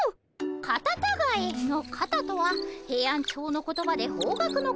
カタタガエの「カタ」とはヘイアンチョウの言葉で方角のこと。